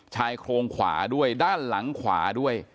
ชายโครงขวาด้วยด้านหลังขวาด้วย